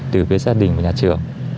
từ phía gia đình và nhà trường